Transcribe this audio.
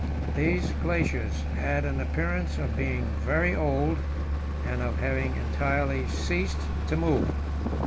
These glaciers had an appearance of being very old, and of having entirely ceased to move.